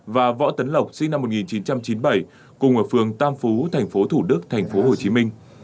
và võ tấn lộc sinh năm một nghìn chín trăm chín mươi bảy cùng ở phường tam phú thành phố thủ đức thành phố hồ chí minh